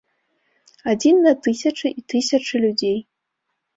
Адзін на тысячы і тысячы людзей!